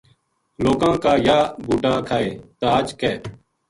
لوکاں کا یاہ بُو ٹا کھائے تاج ک